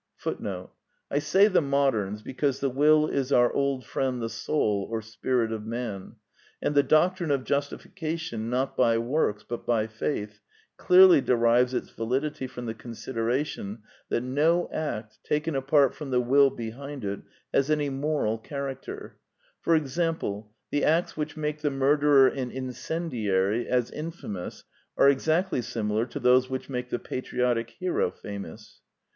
Out of his teaching came the formula tion of the dilemma Voltaire had shut his eyes ^ I say the moderns, because the will is our old friend the soul or spirit of man; and the doctrine of justification, not by works, but by faith, clearly derives its validity from the consideration that no action, taken apart from the will behind it, has any moral character: for example, the acts which make the murderer and incendiary in* famous are exactly similar to those which make the patriotic hero famous.